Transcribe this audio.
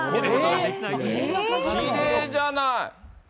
きれいじゃない。